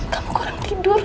kamu kurang tidur